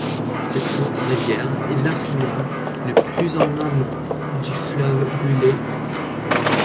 Cette courte rivière est l’affluent le plus en amont du fleuve Buller.